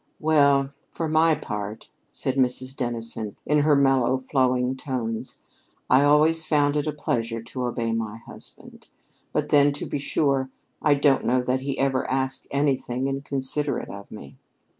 "Well, for my part," said Mrs. Dennison, in her mellow, flowing tones, "I always found it a pleasure to obey my husband. But, then, to be sure, I don't know that he ever asked anything inconsiderate of me."